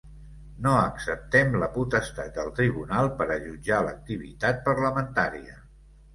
No acceptem la potestat del tribunal per a jutjar l’activitat parlamentària.